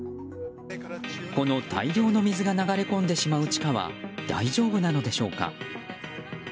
この大量の水が流れ込んでしまう地下は大丈夫なのでしょうか？